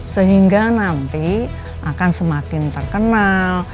sehingga nanti akan semakin terkenal